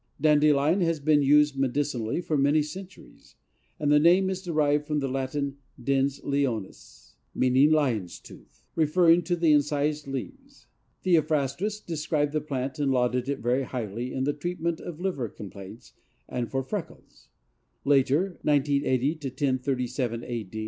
Dandelion has been used medicinally for many centuries, and the name is derived from the Latin dens leonis, meaning lion's tooth, referring to the incised leaves. Theophrastus described the plant and lauded it very highly in the treatment of liver complaints and for freckles. Later (980 1037 A.